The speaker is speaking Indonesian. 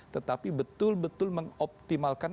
tetapi betul betul mengoptimalkan